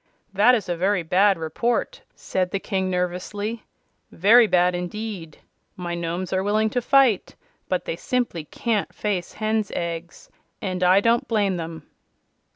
"That is a very bad report," said the King, nervously. "Very bad, indeed. My Nomes are willing to fight, but they simply can't face hen's eggs and I don't blame them."